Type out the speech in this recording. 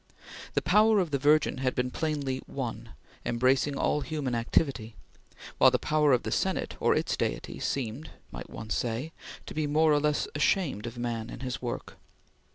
The power of the Virgin had been plainly One, embracing all human activity; while the power of the Senate, or its deity, seemed might one say to be more or less ashamed of man and his work.